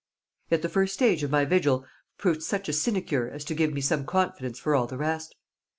Yet the first stage of my vigil proved such a sinecure as to give me some confidence for all the rest.